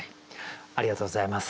ありがとうございます。